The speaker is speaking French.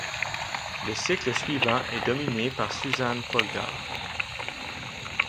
Le cycle suivant est dominé par Susan Polgar.